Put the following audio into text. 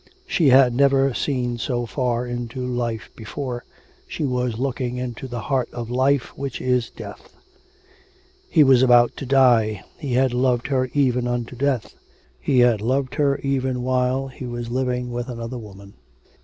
She had never seen so far into life before; she was looking into the heart of life, which is death. He was about to die he had loved her even unto death; he had loved her even while he was living with another woman.